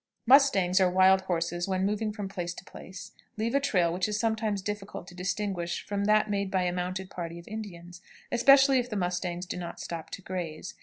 Mustangs or wild horses, when moving from place to place, leave a trail which is sometimes difficult to distinguish from that made by a mounted party of Indians, especially if the mustangs do not stop to graze.